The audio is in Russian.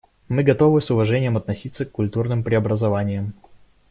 Мы готовы с уважением относиться к культурным преобразованиям.